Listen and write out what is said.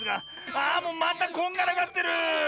あもうまたこんがらがってる！